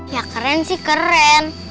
ya keren sih keren